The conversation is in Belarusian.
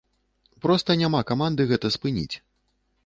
Проста няма каманды гэта спыніць.